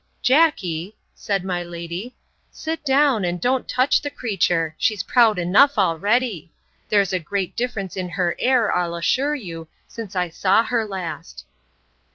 Jackey, said my lady, sit down, and don't touch the creature—She's proud enough already. There's a great difference in her air, I'll assure you, since I saw her last.